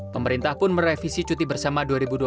pemerintah pun merevisi cuti bersama dua ribu dua puluh